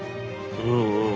うんうん